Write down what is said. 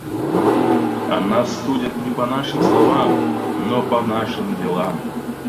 О нас судят не по нашим словам, но по нашим делам.